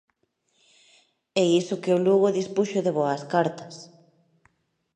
E iso que o Lugo dispuxo de boas cartas.